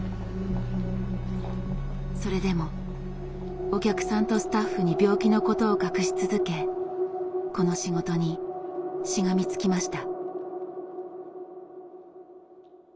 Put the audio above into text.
それでもお客さんとスタッフに病気のことを隠し続けこの仕事にしがみつきました。